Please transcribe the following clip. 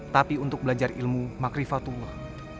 tapi untuk belajar ilmu makrifatullah